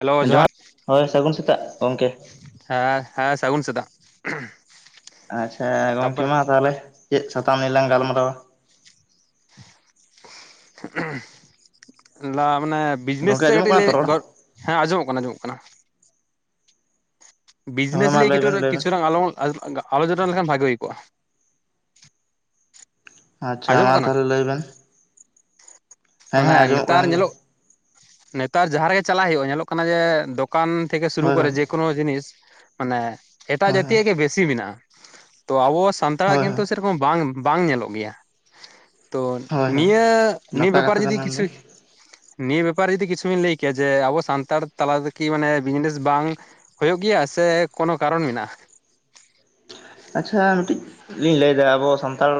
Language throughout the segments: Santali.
ᱦᱮᱞᱳ ᱡᱚᱦᱟᱨ᱾ ᱦᱳᱭ ᱥᱟᱹᱜᱩᱱ ᱥᱮᱛᱟᱜ ᱜᱚᱢᱠᱮ ᱦᱮᱸ ᱦᱮᱸ, ᱥᱟᱹᱜᱩᱱ ᱥᱮᱛᱟᱜ᱾ ᱟᱪᱪᱷᱟ ᱜᱚᱝᱠᱮ ᱛᱟᱯᱚᱨ ᱢᱟ ᱛᱟᱦᱚᱞᱮ, ᱪᱮᱫ ᱥᱟᱛᱟᱢ ᱱᱤᱭᱟ ᱞᱟᱝ ᱜᱟᱞᱢᱟᱨᱟᱣᱼᱟ? ᱞᱟ ᱢᱟᱱᱮ ᱜᱚᱢᱠᱮ ᱵᱤᱡᱽᱱᱮᱥ ᱥᱮ ᱟᱸᱡᱚᱢᱚᱜ ᱠᱟᱹᱴᱤᱡ ᱠᱟᱱᱟ ᱞᱮ ᱛᱚ ᱨᱚᱲ ᱜᱚᱦ, ᱦᱮᱸ ᱟᱸᱡᱚᱢᱚᱜ ᱠᱟᱱᱟ ᱟᱸᱡᱚᱢᱚᱜ ᱠᱟᱱᱟ᱾ ᱦᱳᱭ ᱵᱤᱡᱽᱱᱮᱥ ᱢᱟ ᱞᱟᱸᱭ ᱞᱟᱹᱭ ᱵᱮᱱ [unintelligible] ᱮ ᱞᱟᱹᱭ ᱵᱮᱱ ᱠᱤᱪᱷᱩ ᱞᱟᱝ ᱟᱞᱚ ᱟᱞᱚᱪᱚᱱᱟ ᱞᱮᱠᱷᱟᱱ ᱵᱷᱟᱜᱤ ᱦᱩᱭ ᱠᱚᱜᱼᱟ᱾ ᱟᱪᱪᱷᱟ ᱟᱸᱡᱚᱢᱚᱜ ᱢᱟ ᱠᱟᱱᱟ ᱛᱟᱦᱚᱞᱮ ᱞᱟᱹᱭ ᱵᱮᱱ᱾ ᱦᱮᱸ ᱢᱟᱱᱮ ᱦᱮᱸ ᱟᱸᱡᱚᱢᱚᱜ ᱱᱮᱛᱟᱨ ᱠᱟᱱ ᱜᱮᱭᱟ ᱧᱮᱞᱚᱜ, ᱱᱮᱛᱟᱨ ᱡᱟᱦᱟᱸ ᱨᱮᱜᱮ ᱪᱟᱞᱟᱜ ᱦᱩᱭᱩᱜ ᱧᱮᱞᱚᱜ ᱠᱟᱱᱟ ᱡᱮ ᱫᱚ ᱫᱚᱠᱟᱱ ᱛᱷᱮᱠᱮ ᱥᱩᱨᱩ ᱦᱳᱭ ᱠᱚᱨᱮ ᱦᱳᱭ ᱡᱮᱠᱳᱱᱳ ᱡᱤᱱᱤᱥ, ᱢᱟᱱᱮ ᱮᱴᱟᱜ ᱦᱳᱭ ᱡᱟᱛᱤᱭᱟᱜ ᱜᱮ ᱵᱮᱥ ᱵᱮᱥᱤ ᱢᱮᱱᱟᱜᱼᱟ᱾ ᱛᱚ ᱟᱵᱚ ᱥᱟᱱᱛᱟᱲ ᱟᱜ ᱦᱳᱭ ᱠᱤᱱᱛᱩ ᱦᱳᱭ ᱥᱮᱨᱚᱠᱚᱢ ᱵᱟᱝ ᱵᱟᱝ ᱧᱮᱞᱚᱜ ᱜᱮᱭᱟ᱾ ᱛᱚ ᱦᱳᱭ ᱦᱳᱭ ᱱᱤᱭᱟᱹ ᱱᱤᱭᱟᱹ ᱱᱟᱯᱟᱭ ᱵᱮᱯᱟᱨ ᱨᱮ ᱠᱟᱛᱷᱟ ᱵᱮᱱ ᱡᱩᱫᱤ ᱠᱤᱪᱷᱩ ᱢᱮᱱᱫᱟ ᱱᱤᱭᱟᱹ ᱵᱮᱯᱟᱨ ᱨᱮ ᱡᱩᱫᱤ ᱠᱤᱪᱷᱩ ᱵᱮᱱ ᱞᱟᱹᱭ ᱠᱮᱭᱟ ᱡᱮ ᱟᱵᱚ ᱥᱟᱱᱛᱟᱲ ᱛᱟᱞᱟ ᱫᱚ ᱠᱤ ᱢᱟᱱᱮ ᱵᱤᱡᱽᱱᱮᱥ ᱵᱟᱝ ᱦᱩᱭᱩᱜ ᱜᱮᱭᱟ ᱥᱮ ᱠᱳᱱᱳ ᱠᱟᱨᱚᱱ ᱢᱮᱱᱟᱜᱼᱟ᱾ ᱟᱪᱪᱷᱟ ᱢᱤᱫᱴᱤᱡ ᱞᱤᱧ ᱞᱟᱹᱭᱮᱫᱟ ᱟᱵᱚ ᱥᱟᱱᱛᱟᱲ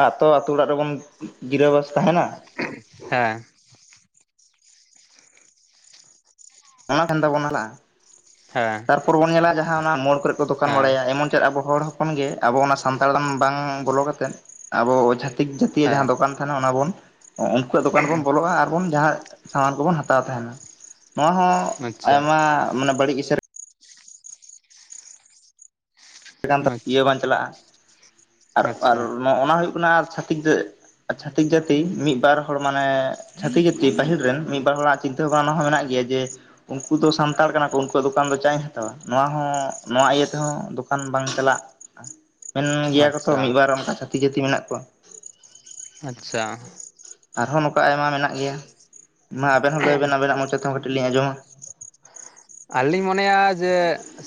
ᱟᱜ ᱛᱚ ᱟᱹᱛᱩ ᱚᱲᱟᱜ ᱨᱮᱵᱚᱱ ᱜᱤᱨᱟᱹᱵᱟᱥᱟ ᱦᱮᱸ᱾ ᱚᱱᱟ ᱴᱷᱮᱱ ᱫᱚᱵᱚᱱ ᱦᱮᱞᱟᱜᱼᱟ᱾ ᱦᱮᱸ ᱛᱟᱨᱯᱚᱨ ᱵᱚᱱ ᱧᱮᱞᱟ ᱡᱟᱦᱟᱸ ᱚᱱᱟ ᱢᱳᱲ ᱠᱚᱨᱮ ᱠᱚ ᱫᱚᱠᱟᱱ ᱦᱮᱸ ᱵᱟᱲᱟᱭᱟ ᱮᱢᱚᱱ ᱪᱮᱫ ᱟᱵᱚ ᱦᱚᱲ ᱦᱚᱸ ᱦᱚᱯᱳᱱ ᱜᱮ ᱟᱵᱚ ᱚᱱᱟ ᱥᱟᱱᱛᱟᱲᱼᱟ ᱵᱟᱝ ᱵᱚᱞᱚ ᱠᱟᱛᱮᱫ ᱟᱵᱚ ᱚᱡᱷᱟ ᱛᱤᱠ ᱪᱷᱟᱛᱤᱜᱭᱟᱜ ᱡᱟᱦᱟᱸ ᱦᱮᱸ ᱫᱚᱠᱟᱱ ᱛᱟᱦᱮᱱᱟ ᱚᱱᱟ ᱵᱚᱱ, ᱩᱱᱠᱩᱣᱟᱜ ᱫᱚᱠᱟᱱ ᱵᱚᱱ ᱵᱚᱞᱚᱜᱼᱟ ᱟᱨᱵᱚᱱ ᱡᱟᱸᱦᱟ ᱥᱟᱢᱟᱱ ᱠᱚᱵᱚᱱ ᱦᱟᱛᱟᱣ ᱛᱟᱦᱮᱱᱟ᱾ ᱱᱚᱣᱟ ᱦᱚᱸ ᱟᱪᱪᱷᱟ ᱟᱭᱢᱟ ᱢᱟᱱᱮ ᱵᱟᱹᱲᱤᱡ ᱤᱥ ᱤᱱᱟ ᱠᱷᱟᱱ ᱫᱚ ᱤᱭᱟᱹ ᱵᱟᱝ ᱪᱟᱞᱟᱜᱼᱟ᱾ ᱟᱨ ᱟᱨ ᱟᱪᱪᱷᱟ ᱚᱱᱟ ᱦᱩᱭᱩᱜ ᱠᱟᱱᱟ ᱟᱨ ᱪᱷᱟᱹᱛᱤᱠ ᱪᱷᱟᱛᱤᱠ ᱡᱟᱹᱛᱤ ᱢᱤᱫᱵᱟᱨ ᱦᱚᱲ ᱢᱟᱱᱮ ᱪᱷᱟᱹᱛᱤᱠ ᱡᱟᱹᱛᱤ ᱯᱟᱹᱦᱤᱞ ᱨᱮᱱ ᱢᱤᱫᱵᱟᱨ ᱦᱚᱲᱟᱜ ᱪᱤᱱᱛᱟᱹ ᱵᱷᱟᱵᱽᱱᱟ ᱦᱚᱸ ᱢᱮᱱᱟᱜ ᱜᱮᱭᱟ ᱡᱮ ᱩᱱᱠᱩ ᱫᱚ ᱥᱟᱱᱛᱟᱲ ᱠᱟᱱᱟ ᱠᱚ ᱩᱱᱠᱩᱣᱟᱜ ᱫᱚᱠᱟᱱ ᱫᱚ ᱪᱟ ᱤᱧ ᱦᱟᱛᱟᱣᱼᱟ ᱱᱚᱣᱟ ᱦᱚᱸ ᱱᱚᱣᱟ ᱤᱭᱟᱹ ᱛᱮᱦᱚᱸ ᱫᱚᱠᱟᱱ ᱵᱟᱝ ᱪᱟᱞᱟᱜᱼᱟ᱾ ᱢᱮᱱ ᱜᱮᱭᱟ ᱠᱚ ᱛᱚ, ᱟᱪᱪᱷᱟ ᱢᱤᱫᱵᱟᱨ ᱚᱱᱠᱟ ᱪᱷᱟᱹᱛᱤᱠ ᱡᱟᱹᱛᱤ ᱢᱮᱱᱟᱜ ᱠᱚᱣᱟ᱾ ᱟᱪᱪᱷᱟ᱾ ᱟᱨᱦᱚᱸ ᱱᱚᱝᱠᱟ ᱟᱭᱢᱟ ᱢᱮᱱᱟᱜ ᱜᱮᱭᱟ᱾ ᱢᱟ ᱟᱵᱮᱱ ᱦᱚᱸ ᱞᱟᱹᱭ ᱵᱮᱱ ᱟᱵᱮᱱᱟᱜ ᱢᱚᱪᱟ ᱛᱮᱦᱚᱸ ᱠᱟᱹᱴᱤᱡ ᱞᱤᱧ ᱟᱡᱸᱚᱢᱼᱟ᱾ ᱟᱹᱞᱤᱧ ᱢᱚᱱᱮᱭᱟ ᱡᱮ